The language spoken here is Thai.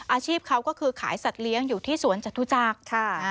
อาชีพเขาก็คือขายสัตว์เลี้ยงอยู่ที่สวนจตุจักรค่ะ